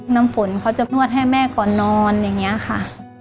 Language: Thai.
น้ำฝนเขาจะนวดให้แม่ก่อนนอนอย่างนี้ค่ะ